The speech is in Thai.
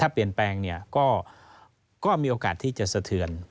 ถ้าเปลี่ยนแปลงก็มีโอกาสที่จะเศรษฐ์